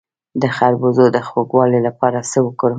د خربوزو د خوږوالي لپاره څه وکړم؟